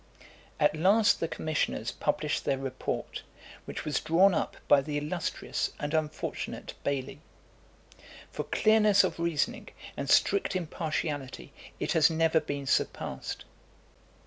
At last the commissioners published their report, which was drawn up by the illustrious and unfortunate Bailly. For clearness of reasoning and strict impartiality it has never been surpassed.